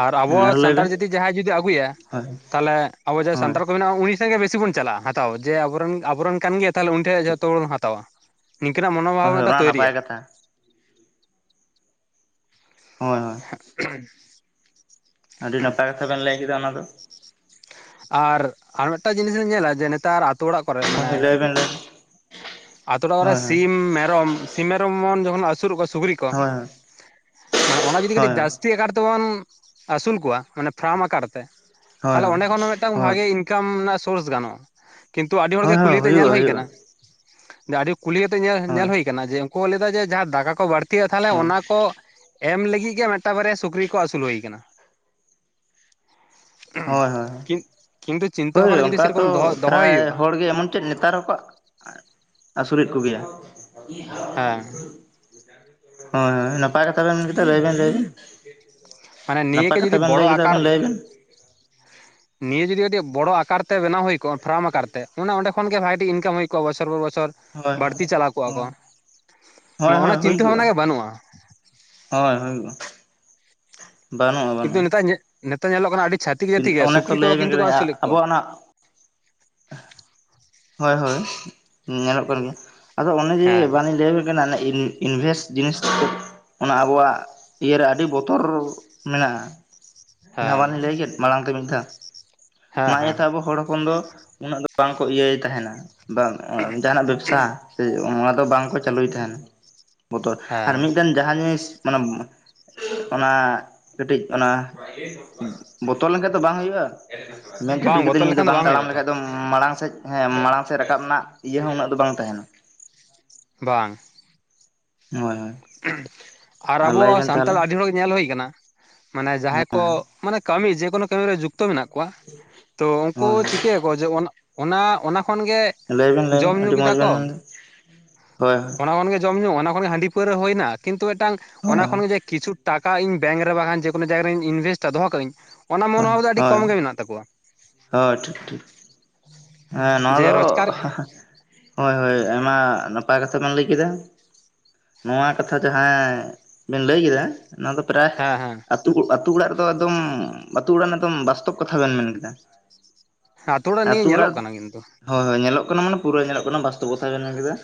ᱟᱨ ᱟᱵᱚ ᱦᱮᱸ ᱟᱨᱚ ᱞᱟᱹᱭ ᱥᱟᱱᱛᱟᱲ ᱵᱮᱱ ᱡᱩᱫᱤ ᱡᱟᱦᱟᱸᱭ ᱡᱩᱫᱤ ᱟᱹᱜᱩᱭᱟ ᱦᱳᱭ ᱛᱟᱦᱞᱮ ᱟᱵᱚ ᱡᱟᱦᱟᱸᱭ ᱦᱳᱭ ᱥᱟᱱᱛᱟᱲ ᱠᱚ ᱢᱮᱱᱟᱜ-ᱟ ᱩᱱᱤ ᱴᱷᱮᱡ ᱜᱮ ᱵᱤ ᱵᱚᱱ ᱪᱟᱞᱟᱜ-ᱟ, ᱦᱟᱛᱟᱣ ᱡᱮ ᱟᱵᱚᱨᱮᱱ ᱟᱵᱚᱨᱮᱱ ᱠᱟᱱ ᱜᱮᱭᱟ ᱛᱟᱦᱚᱞᱮ ᱩᱱᱤ ᱴᱷᱮᱡ ᱴᱷᱤᱠ ᱡᱚᱛᱚ ᱦᱚᱲ ᱵᱚᱱ ᱦᱟᱛᱟᱣᱟ᱾ ᱱᱤᱝᱠᱟᱹ ᱱᱟᱜ ᱢᱚᱱᱳ ᱵᱷᱟᱵ ᱦᱳᱭ ᱦᱳᱭ ᱢᱮᱫᱴᱟᱝ ᱚᱱᱟ ᱱᱟᱯᱟᱭ ᱛᱚᱭᱨᱤᱜ-ᱟ᱾ ᱠᱟᱛᱷᱟ ᱦᱳᱭ ᱦᱳᱭ [unintelligible] ᱟᱹᱰᱤ ᱱᱟᱯᱟᱭ ᱠᱟᱛᱷᱟ ᱵᱮᱱ ᱞᱟᱹᱭ ᱠᱮᱫᱟ ᱚᱱᱟ ᱫᱚ᱾ ᱟᱨ ᱟᱨ ᱢᱤᱫᱴᱟᱜ ᱡᱤᱱᱤᱥ ᱵᱮ ᱧᱮᱞᱟ ᱡᱮ ᱱᱮᱛᱟᱨ ᱟᱛᱳ ᱚᱲᱟᱜ ᱠᱚᱨᱮ ᱢᱟᱱᱮ [unintelligible] ᱟᱛᱳ ᱴᱚᱞᱟ ᱠᱚᱨᱮ ᱦᱳᱭ ᱦᱳᱭ ᱥᱤᱢ, ᱢᱮᱨᱚᱢ, ᱥᱤᱢ, ᱢᱮᱨᱚᱢ ᱡᱚᱠᱷᱚᱱ ᱟᱹᱥᱩᱨ ᱠᱚᱣᱟ ᱥᱩᱠᱨᱤ ᱛᱚ ᱦᱳᱭ ᱢᱟᱱᱮ ᱚᱱᱟ ᱡᱩᱫᱤ ᱠᱟᱹᱴᱤᱡ ᱡᱟᱹᱥ- ᱛᱤ ᱟᱠᱟᱨ ᱛᱮᱵᱚᱱ ᱟᱹᱥᱩᱞ ᱠᱚᱣᱟ᱾ ᱢᱟᱱᱮ ᱯᱷᱟᱨᱟᱢ ᱟᱠᱟᱨ ᱛᱮ ᱦᱳᱭ ᱦᱳᱭ ᱛᱟᱦᱚᱞᱮ ᱚᱸᱰᱮ ᱠᱷᱚᱱ ᱦᱚᱸ ᱢᱮᱫᱴᱟᱝ ᱦᱳᱭ ᱵᱷᱟᱜᱤ ᱤᱱ- ᱠᱟᱢ ᱨᱮᱱᱟᱜ ᱥᱳᱨᱥ ᱜᱟᱱᱚᱜ-ᱟ᱾ ᱠᱤᱱᱛᱩ ᱟᱹᱰᱤ ᱦᱚᱲ ᱜᱮ ᱠᱩᱞᱤ ᱦᱳᱭ ᱠᱟᱛᱮ ᱦᱩᱭᱩᱜᱼᱟ ᱧᱮᱞ ᱦᱩᱭᱩᱭᱟ ᱦᱩᱭᱩᱜᱼᱟ ᱟᱠᱟᱱᱟ ᱟᱹᱰᱤ ᱠᱩᱞᱤ ᱠᱟᱛᱮᱜ ᱧᱮᱞ ᱦᱳᱭ ᱧᱮᱞ ᱦᱩᱭ ᱟᱠᱟᱱᱟ ᱡᱮ ᱩᱱᱠᱩ ᱞᱟᱹᱭ ᱮᱫᱟ ᱡᱮ ᱡᱟᱦᱟᱸ ᱫᱟᱠᱟ ᱠᱚ ᱵᱟᱹᱲ- ᱛᱤ ᱛᱟᱦᱚᱞᱮ ᱦᱳᱭ ᱚᱱᱟ ᱠᱚ ᱮᱢ ᱞᱟᱹᱜᱤᱫ ᱜᱮ ᱢᱮᱫᱴᱟᱝ ᱵᱟᱨᱭᱟ ᱥᱩᱠᱨᱤ ᱠᱚ ᱟᱹᱥᱩᱞ ᱦᱩᱭ ᱠᱟᱱᱟ᱾ ᱦᱳᱭ ᱦᱳᱭ ᱠᱤᱱ ᱠᱤᱱᱛᱩ ᱪᱤᱱᱛᱟᱹ ᱦᱳᱭ ᱵᱷᱟᱵᱱᱟ ᱡᱩᱫᱤ ᱚᱱᱠᱟ ᱫᱚ ᱥᱮᱨᱚᱠᱚᱢ ᱫᱚᱦᱚ ᱫᱚᱦᱚᱭ ᱯᱨᱟᱭ ᱦᱩᱭᱩᱜᱼᱟ ᱦᱚᱲ ᱜᱮ ᱮᱢᱚᱱ ᱪᱮᱫ ᱱᱮᱛᱟᱨ ᱠᱚᱣᱟᱜ ᱟᱹᱥᱩᱞ ᱮᱫ ᱠᱚ ᱜᱮᱭᱟ᱾ ᱦᱮᱸ ᱦᱳᱭ ᱦᱳᱭ ᱱᱟᱯᱟᱭ ᱠᱟᱛᱷᱟ ᱵᱮᱱ ᱢᱮᱱ ᱠᱮᱫᱟ ᱞᱟᱹᱭ ᱵᱮᱱ ᱞᱟᱹᱭ᱾ ᱢᱟᱱᱮ ᱱᱤᱭᱟᱹ ᱱᱟᱯᱟᱭ ᱜᱮ ᱡᱩᱫᱤ ᱠᱟᱛᱷᱟ ᱵᱮᱱ ᱞᱟᱹᱭ ᱵᱚᱲᱚ ᱠᱮᱫᱟ ᱟᱠᱟᱨ ᱵᱮᱱ ᱞᱟᱹᱭ ᱵᱮᱱ᱾ ᱱᱤᱭᱟᱹ ᱡᱩᱫᱤ ᱟᱹᱰᱤ ᱵᱚᱲᱚ ᱟᱠᱟᱨ ᱛᱮ ᱵᱮᱱᱟᱣ ᱦᱩᱭ ᱠᱚᱜ-ᱟ, ᱯᱷᱟᱨᱟᱢ ᱟᱠᱟᱨ ᱛᱮ, ᱢᱟᱱᱮ ᱚᱸᱰᱮ ᱠᱷᱚᱱ ᱜᱮ ᱵᱷᱟᱜᱤ ᱴᱷᱤᱠ ᱤᱱᱠᱟᱢ ᱦᱩᱭ ᱠᱚ᱾ ᱵᱚᱪᱷᱚᱨ ᱵᱚᱨ ᱵᱚᱪᱷᱚᱨ ᱦᱳᱭ ᱦᱳᱭ ᱵᱟᱹᱲᱛᱤ ᱪᱟᱞᱟᱣ ᱠᱚᱜ-ᱟ ᱠᱚ ᱦᱳᱭ ᱦᱳᱭ ᱚᱱᱟ ᱦᱩᱭ ᱪᱤᱱᱛᱟᱹ ᱠᱚᱜᱼᱟ ᱵᱷᱟᱵᱱᱟ ᱜᱮ ᱵᱟᱹᱱᱩᱜ-ᱟ᱾ ᱦᱳᱭ ᱦᱩᱭᱩᱜ-ᱟ᱾ ᱠᱤᱱᱛᱩ ᱱᱮᱛᱟᱨ ᱱᱮᱛᱟᱨ ᱧᱮᱞᱚᱜ ᱠᱟᱱᱟ ᱟᱹᱰᱤ ᱪᱷᱟᱛᱤᱠ ᱡᱟᱹᱛᱤ ᱜᱮ ᱚᱱᱮ ᱛᱚ ᱥᱩᱠᱨᱤ ᱞᱟᱹᱭ ᱠᱚᱫᱚ ᱵᱮᱱ ᱠᱤᱱᱛᱩ ᱠᱚ ᱠᱟᱹᱫᱟᱹᱧ ᱟᱹᱥᱩᱞᱮᱫ ᱠᱚᱣᱟ᱾ ᱟᱵᱚᱣᱟᱜ ᱚᱱᱟ [unintelligible] ᱦᱳᱭ ᱦᱳᱭ, ᱧᱮᱞᱚᱜ ᱠᱟᱱ ᱜᱮᱭᱟ ᱟᱫᱚ ᱚᱱᱮ ᱡᱮ ᱦᱮᱸ ᱵᱟᱝᱞᱤᱧ ᱞᱟᱹᱭᱟ ᱠᱟᱱᱟ ᱤᱞ ᱤᱱᱵᱷᱮᱥᱴ ᱡᱤᱱᱤᱥ [unintelligible] ᱚᱱᱟ ᱟᱵᱚᱣᱟᱜ ᱤᱭᱟᱹ ᱨᱮ ᱟᱹᱰᱤ ᱵᱚᱛᱚᱨ ᱢᱮᱱᱟᱜ-ᱟ᱾ ᱡᱟᱦᱟᱸ ᱦᱮᱸ ᱵᱟᱝᱞᱤᱧ ᱞᱟᱹᱭ ᱠᱮᱫ ᱢᱟᱲᱟᱝ ᱛᱮ ᱢᱤᱫ ᱫᱷᱟᱣ ᱦᱮᱸ ᱢᱟ ᱤᱭᱟᱹ ᱦᱮᱸ ᱛᱮ ᱟᱵᱚ ᱦᱚᱲ ᱦᱚᱯᱚᱱ ᱫᱚ ᱩᱱᱟᱹᱜ ᱫᱚ ᱵᱟᱝ ᱠᱚ ᱤᱭᱟᱹᱭ ᱛᱟᱦᱮᱱᱟ ᱵᱟ ᱡᱟᱦᱟᱱᱟᱜ ᱵᱮᱵᱽᱥᱟ᱾ ᱚᱱᱟ ᱫᱚ ᱵᱟᱝ ᱠᱚ ᱪᱟᱹᱞᱩᱭ ᱛᱟᱦᱮᱱᱟ, ᱵᱚᱛᱚᱨ ᱟᱨ ᱦᱮᱸ ᱢᱤᱫᱴᱮᱱ ᱡᱟᱦᱟᱸ ᱡᱤᱱᱤᱥ ᱢᱟᱱᱮ ᱚᱱᱟ ᱠᱟᱹᱴᱤᱡ ᱚᱱᱟ ᱵᱚᱛᱚᱨ ᱞᱮᱱᱠᱷᱟᱡ ᱛᱚ ᱵᱟᱝ ᱦᱩᱭᱩᱜ-ᱟ᱾ ᱢᱮᱱ ᱠᱷᱟᱹᱛᱤᱨ ᱵᱟᱝ ᱠᱟᱛᱮᱫ ᱵᱚᱛᱚᱨ ᱢᱤᱫ ᱫᱚ ᱞᱮᱠᱷᱟᱱ ᱵᱟᱝ ᱛᱟᱲᱟᱢ ᱦᱩᱭᱩᱜᱼᱟ ᱛᱚ ᱞᱮᱠᱷᱟᱡ ᱫᱚᱢ ᱢᱟᱲᱟᱝ ᱥᱮᱫ ᱦᱮᱸ ᱢᱟᱲᱟᱝ ᱥᱮᱫ ᱨᱟᱠᱟᱵ ᱨᱮᱱᱟᱜ ᱤᱭᱟᱹ ᱦᱚᱸ ᱩᱱᱟᱹᱜ ᱫᱚ ᱵᱟᱝ ᱛᱟᱦᱮᱱᱟ᱾ ᱵᱟᱝ ᱦᱳᱭ ᱦᱳᱭ ᱟᱨ ᱞᱟᱹᱭ ᱟᱵᱚᱣᱟᱜ ᱵᱮᱱ ᱥᱟᱱᱛᱟᱲ ᱛᱟᱦᱚᱞᱮ ᱟᱹᱰᱤ ᱦᱚᱲ ᱜᱮ ᱧᱮᱞ ᱦᱩᱭ ᱠᱟᱱᱟ ᱢᱟᱱᱮ ᱡᱟᱦᱟᱸᱭ ᱠᱚ ᱦᱮᱸ ᱢᱟᱱᱮ ᱠᱟᱹᱢᱤ ᱡᱮ ᱠᱳᱱᱳ ᱠᱟᱹᱢᱤ ᱨᱮ ᱡᱩᱠᱛᱚ ᱢᱮᱱᱟᱜ ᱠᱚᱣᱟ᱾ ᱛᱚ ᱩᱱᱠᱩ ᱦᱳᱭ ᱪᱤᱠᱟᱹᱭᱟ ᱠᱚ ᱡᱮ ᱚᱱᱟ ᱚᱱᱟ ᱠᱷᱚᱱ ᱜᱮ ᱞᱟᱹᱭ ᱵᱮᱱ ᱞᱟᱹᱭ ᱵᱮᱱ ᱡᱚᱢ ᱧᱩ ᱟᱹᱰᱤ ᱠᱮᱫᱟ ᱢᱚᱸᱡᱽ ᱵᱮᱱ ᱠᱚ᱾ ᱢᱮᱱᱫᱟ ᱦᱳᱭ ᱚᱱᱟ ᱠᱷᱚᱱ ᱜᱮ ᱡᱚᱢ ᱧᱩ ᱚᱱᱟ ᱠᱷᱚᱱ ᱜᱮ ᱦᱟᱺᱰᱤ, ᱯᱟᱹᱣᱨᱟᱹ ᱦᱩᱭᱱᱟ ᱠᱤᱱᱛᱩ ᱢᱤᱫᱴᱟᱝ ᱦᱳᱭ ᱚᱱᱟ ᱠᱷᱚᱱ ᱜᱮ ᱡᱮ ᱠᱤᱪᱷᱩ ᱴᱟᱠᱟ ᱤᱧ ᱵᱮᱝᱠ ᱨᱮ ᱵᱟᱝᱠᱷᱟᱱ ᱡᱮ ᱠᱳᱱᱳ ᱡᱟᱭᱜᱟ ᱨᱤᱧ ᱤᱱᱵᱷᱮᱥᱴᱟ ᱫᱚᱦᱟ ᱠᱟᱜ ᱤᱧ᱾ ᱦᱳᱭ ᱢᱮᱱᱟᱜ ᱛᱟᱠᱚᱣᱟ᱾ ᱦᱳᱭ ᱴᱷᱤᱠ ᱴᱷᱤᱠ ᱦᱮᱸ ᱱᱚᱣᱟ ᱡᱮ ᱫᱚ ᱨᱳᱡᱽᱜᱟᱨ ᱦᱳᱭ ᱦᱳᱭ ᱟᱭᱢᱟ ᱱᱟᱯᱟᱭ ᱠᱟᱛᱷᱟ ᱵᱮᱱ ᱞᱟᱹᱭ ᱠᱮᱫᱟ᱾ ᱱᱚᱣᱟ ᱠᱟᱛᱷᱟ ᱡᱟᱦᱟᱸ ᱵᱮᱤᱱ ᱞᱟᱹᱭ ᱠᱮᱫᱟ ᱱᱚᱣᱟ ᱫᱚ ᱯᱨᱟᱭ ᱦᱮᱸ ᱦᱮᱸ ᱟᱛ ᱟᱛᱩ ᱚᱲᱟᱜ ᱨᱮᱫᱚ ᱮᱫᱚᱢ ᱚᱲᱟᱜ ᱫᱚᱢ ᱵᱟᱥᱛᱚᱵ ᱠᱟᱛᱷᱟ ᱵᱮᱱ ᱢᱮᱱ ᱠᱮᱫᱟ᱾ ᱦᱮ ᱟᱛᱳ ᱚᱲᱟᱜ ᱱᱤᱭᱮ ᱧᱮᱞᱚᱜ ᱠᱟᱱᱟ ᱠᱤᱱᱛᱩ᱾ ᱦᱳᱭ ᱦᱳᱭ ᱧᱮᱞᱚᱜ ᱠᱟᱱᱟ ᱢᱟᱱᱮ ᱯᱩᱨᱟᱹ ᱧᱮᱞᱚᱜ ᱠᱟᱱᱟ ᱵᱟᱥᱛᱚᱵᱚᱛᱟ ᱵᱮᱱ ᱢᱮᱱ ᱠᱮᱫᱟ᱾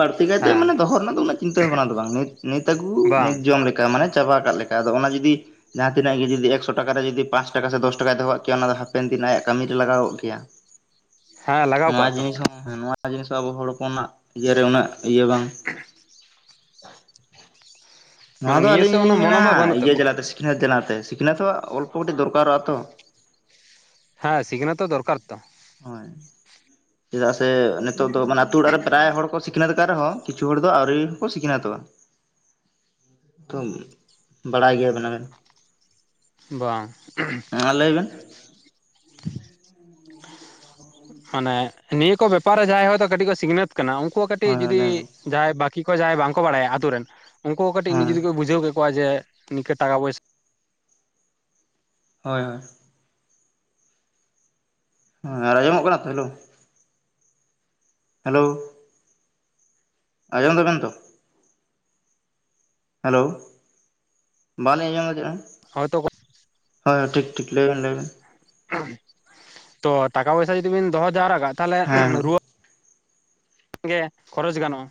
ᱵᱟᱹᱲᱛᱤ ᱠᱟᱭᱛᱮ ᱦᱮᱸ ᱢᱟᱱᱮ ᱫᱚᱦᱚ ᱨᱮᱱᱟᱜ ᱫᱚ ᱩᱱᱟᱹᱜ ᱪᱤᱱᱛᱟᱹ ᱵᱷᱟᱵᱱᱟ ᱫᱚ ᱵᱟᱝ ᱱᱤᱛ ᱟᱹᱜᱩ ᱵᱟᱝ ᱱᱤᱛ ᱡᱚᱢ ᱞᱮᱠᱟ ᱢᱟᱱᱮ ᱪᱟᱵᱟ ᱠᱟᱫ ᱞᱮᱠᱟ ᱟᱫᱚ ᱚᱱᱟ ᱡᱩᱫᱤ ᱡᱟᱦᱟᱸ ᱛᱤᱱᱟᱹᱜ ᱜᱮ ᱡᱩᱫᱤ ᱮᱠᱥᱚ ᱴᱟᱠᱟ ᱨᱮ ᱡᱩᱫᱤ ᱯᱟᱸᱥ ᱴᱟᱠᱟ ᱫᱚᱥ ᱴᱟᱠᱟ ᱫᱚᱦᱚ ᱠᱮᱭᱟ ᱚᱱᱟ ᱫᱚ ᱦᱟᱯᱮᱱ ᱫᱤᱱ ᱟᱭᱟᱜ ᱠᱟᱹᱢᱤ ᱨᱮ ᱞᱟᱜᱟᱣᱚᱜ ᱠᱮᱭᱟ᱾ ᱦᱮᱸ ᱞᱟᱜᱟᱣ ᱱᱚᱣᱟ ᱠᱚᱜᱼᱟ ᱛᱚ ᱡᱤᱱᱤᱥ ᱦᱚᱸ ᱱᱚᱣᱟ ᱡᱤᱱᱤᱥ ᱦᱚᱸ ᱟᱵᱚ ᱦᱚᱲ ᱦᱚᱯᱚᱱᱟᱜ ᱤᱭᱟᱹᱨᱮ ᱩᱱᱟᱹᱜ ᱤᱭᱟᱹ ᱵᱟᱝ ᱱᱚᱣᱟ ᱢᱟᱱᱮ ᱫᱚ ᱱᱤᱭᱟᱹ ᱟᱹᱞᱤᱧ ᱥᱮᱫ ᱚᱱᱟ ᱞᱤᱧ ᱢᱮᱱᱟ ᱢᱚᱱᱳᱵᱷᱟᱵ ᱵᱟᱹᱱᱩᱜ ᱤᱭᱟᱹ ᱛᱟᱠᱚᱣᱟ ᱡᱮᱞᱟᱛᱮ ᱥᱤᱠᱷᱱᱟᱹᱛ ᱡᱮᱞᱟᱛᱮ ᱥᱤᱠᱷᱱᱟᱹᱛ ᱦᱚᱸ ᱚᱞᱯᱚ ᱠᱟᱹᱴᱤᱡ ᱫᱚᱨᱠᱟᱨᱚᱜᱼᱟ ᱛᱚ᱾ ᱦᱮᱸ ᱥᱤᱠᱱᱟᱹᱛᱚ ᱦᱚ ᱫᱚᱨᱠᱟᱨ ᱛᱚ ᱦᱳᱭ ᱪᱮᱫᱟᱜ ᱥᱮ ᱱᱤᱛᱚᱜ ᱫᱚ ᱢᱟᱱᱮ ᱟᱹᱛᱩ ᱚᱲᱟᱜ ᱨᱮ ᱯᱨᱟᱭ ᱦᱚᱲ ᱠᱚ ᱥᱤ ᱥᱤᱠᱷᱱᱟᱹᱛ ᱟᱠᱫ ᱨᱮᱦᱚᱸ ᱠᱤᱪᱷᱩ ᱦᱚᱲ ᱫᱚ ᱟᱹᱣᱨᱤ ᱦᱚᱸᱠᱚ ᱥᱤᱠᱷᱱᱟᱹᱛᱚᱜᱼᱟ᱾ ᱛᱚ ᱵᱟᱲᱟᱭ ᱜᱮᱭᱟ ᱵᱮᱱ ᱟᱵᱮᱱ ᱵᱟᱝ ᱦᱮᱸ ᱞᱟᱹᱭ ᱵᱮᱱ ᱢᱟᱱᱮ ᱱᱤᱭᱟᱹ ᱠᱚ ᱵᱮᱯᱟᱨ ᱨᱮ ᱡᱟᱦᱟᱸᱭ ᱦᱚᱳᱭᱛᱳ ᱠᱟᱹᱴᱤᱡ ᱠᱚ ᱥᱤᱠᱷᱱᱟᱹᱛ ᱠᱟᱱᱟ ᱩᱱᱠᱩ ᱠᱟᱹᱴᱤᱡ ᱦᱳᱭ ᱦᱳᱭ ᱡᱩᱫᱤ ᱞᱟᱹᱭ ᱵᱮᱱ ᱡᱟᱦᱟᱸᱭ ᱵᱟᱹᱠᱤ ᱠᱚ ᱡᱟᱦᱟᱸᱭ ᱵᱟᱝᱠᱚ ᱵᱟᱲᱟᱭᱟ ᱟᱛᱳ ᱨᱮᱱ ᱩᱱᱠᱩ ᱠᱟᱹᱴᱤᱡ ᱱᱤᱡᱮ ᱦᱮᱸ ᱛᱮᱠᱚ ᱵᱩᱡᱟᱹᱣ ᱠᱮ ᱠᱚᱣᱟ ᱡᱮ ᱱᱤᱝᱠᱟᱹ ᱴᱟᱠᱟ ᱯᱚᱭᱥᱟ᱾ ᱦᱳᱭ ᱦᱳᱭ ᱦᱮᱸ ᱟᱨ ᱟᱸᱡᱚᱢᱚᱜ ᱠᱟᱱᱟ ᱛᱚ ᱦᱮᱞᱳ ᱦᱮᱞᱳ ᱟᱸᱡᱚᱢ ᱫᱟᱵᱮᱱ ᱛᱚ? ᱦᱮᱞᱳ ᱵᱟᱞᱤᱧ ᱟᱸᱡᱚᱢ ᱫᱟ ᱦᱚᱭᱛᱳ ᱪᱮᱫ ᱦᱚᱸ ᱦᱳᱭ ᱴᱷᱤᱠ ᱴᱷᱤᱠ ᱞᱟᱹᱭ ᱵᱮᱱ ᱞᱟᱹᱭ ᱵᱮᱱ ᱛᱚ ᱴᱟᱠᱟ ᱯᱚᱭᱥᱟ ᱡᱩᱫᱤ ᱵᱤᱱ ᱫᱚᱦᱚ ᱡᱟᱣᱨᱟ ᱠᱟᱜ ᱛᱟᱦᱞᱮ ᱦᱮᱸ ᱦᱮᱸ ᱨᱩᱣᱟᱹ ᱜᱮ ᱠᱷᱚᱨᱚᱪ ᱜᱟᱱᱚᱜᱼᱟ᱾